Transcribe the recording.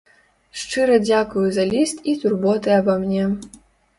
Шчыра дзякую за ліст і турботы аба мне.